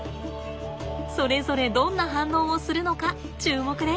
それぞれどんな反応をするのか注目ね。